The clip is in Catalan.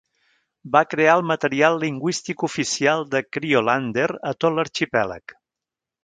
Va crear el material lingüístic oficial de "Kriolander" a tot l'arxipèlag.